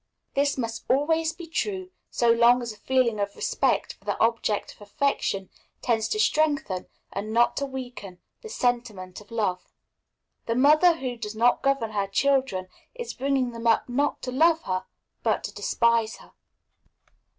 This must always be true so long as a feeling of respect for the object of affection tends to strengthen, and not to weaken, the sentiment of love. The mother who does not govern her children is bringing them up not to love her, but to despise her.